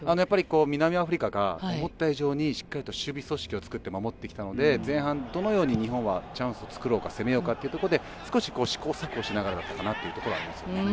南アフリカが思った以上にしっかりと守備組織を作って守ってきたので前半どのように日本はチャンスを作ろうか攻めようかというところで試行錯誤しようとしてましたね。